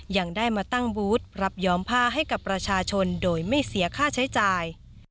ยังได้มาตั้งบูธรับย้อมผ้าให้กับประชาชนโดยไม่เสียค่าใช้จ่าย